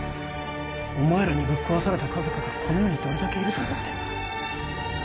お前らにぶっ壊された家族がこの世にどれだけいると思ってんだ？